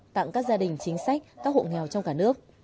tặng các gia đình chính sách các hộ nghèo trong cả nước